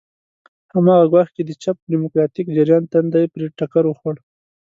هماغه ګواښ چې د چپ ډیموکراتیک جریان تندی پرې ټکر وخوړ.